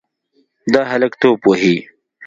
دا هلک توپ وهي.